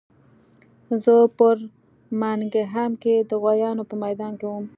زه په برمنګهم کې د غویانو په میدان کې وم